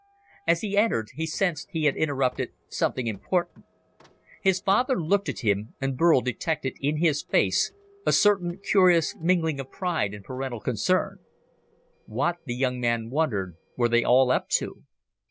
As he entered, he sensed he had interrupted something important. His father looked at him, and Burl detected in his face a certain curious mingling of pride and parental concern. What, the young man wondered, were they all up to?